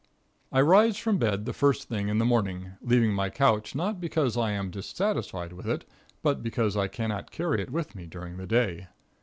I rise from bed the first thing in the morning, leaving my couch not because I am dissatisfied with it, but because I cannot carry it with me during the day.